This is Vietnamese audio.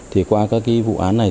thì qua các vụ án này